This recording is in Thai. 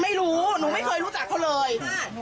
ไม่รู้หนูไม่เคยรู้จักเขาเลย